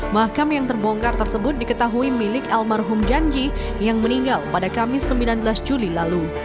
makam yang terbongkar tersebut diketahui milik almarhum janji yang meninggal pada kamis sembilan belas juli lalu